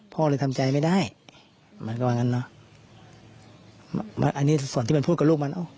พ่อเลยทำใจไม่ได้มันก็ว่างั้นเนอะมันอันนี้ส่วนที่มันพูดกับลูกมันเอ้า